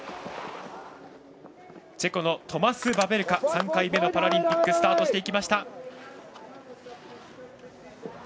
チェコのトマス・バベルカ３回目のパラリンピックスタート。